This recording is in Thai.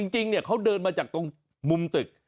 จริงเขาเดินมาจากตรงมุมตึก